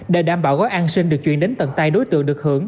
để đảm bảo gói an sinh được chuyển đến tận tay đối tượng được hưởng